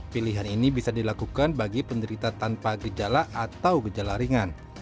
pilihan ini bisa dilakukan bagi penderita tanpa gejala atau gejala ringan